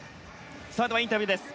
では、インタビューです。